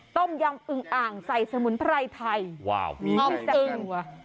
ต้มยำอึงอางใส่สมุนไพรไทยออมอึง